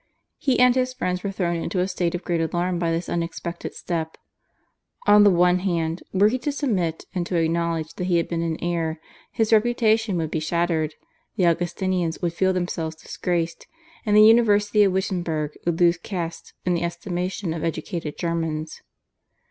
He and his friends were thrown into a state of great alarm by this unexpected step. On the one hand, were he to submit and to acknowledge that he had been in error his reputation would be shattered, the Augustinians would feel themselves disgraced, and the University of Wittenberg would lose caste in the estimation of educated Germans.